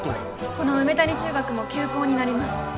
この梅谷中学も休校になります。